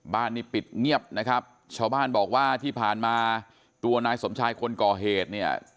บ้านนี้ปิดเงียบนะครับชาวบ้านบอกว่าที่ผ่านมาตัวนายสมชายคนก่อเหตุเนี่ย